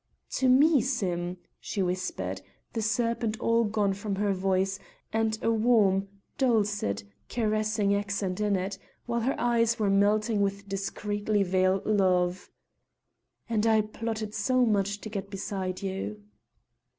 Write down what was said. "To me, Sim!" she whispered, the serpent all gone from her voice, and a warm, dulcet, caressing accent in it, while her eyes were melting with discreetly veiled love. "And I plotted so much to get beside you."